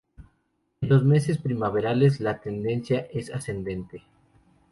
En los meses primaverales la tendencia es ascendente.